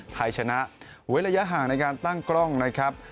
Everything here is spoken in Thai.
ไทยชนะเว้นระยะห่างในการตั้งกล้องนะครับ